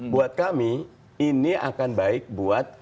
buat kami ini akan baik buat